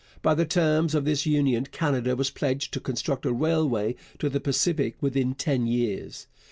By the terms of this union Canada was pledged to construct a railway to the Pacific within ten years.